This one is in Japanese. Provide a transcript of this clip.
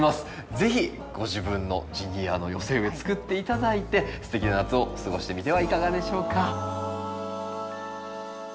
是非ご自分のジニアの寄せ植え作って頂いてすてきな夏を過ごしてみてはいかがでしょうか。